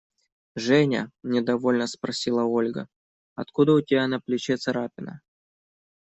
Женя, – недовольно спросила Ольга, – откуда у тебя на плече царапина?